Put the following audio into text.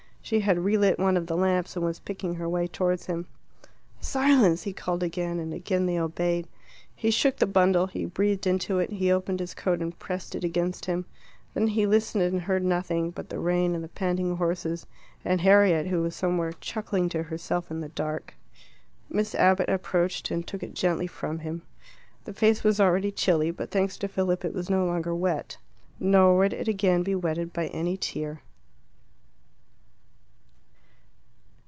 She had relit one of the lamps, and was picking her way towards him. "Silence!" he called again, and again they obeyed. He shook the bundle; he breathed into it; he opened his coat and pressed it against him. Then he listened, and heard nothing but the rain and the panting horses, and Harriet, who was somewhere chuckling to herself in the dark. Miss Abbott approached, and took it gently from him. The face was already chilly, but thanks to Philip it was no longer wet. Nor would it again be wetted by any tear.